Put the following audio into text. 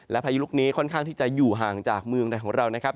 และพายุลูกนี้ค่อนข้างที่จะอยู่ห่างจากเมืองใดของเรานะครับ